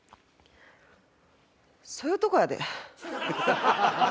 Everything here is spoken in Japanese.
そういうとこやで。